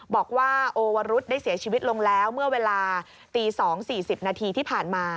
บอกว่าโอวรุษได้เสียชีวิตลงแล้วเมื่อเวลาตี๒๔๐นาทีที่ผ่านมา